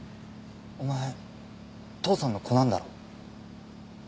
お前父さんの子なんだろ？